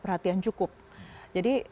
perhatian cukup jadi